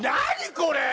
これ。